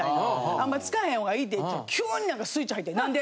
あんま使わへんほうがいいでって急に何かスイッチ入って「何で？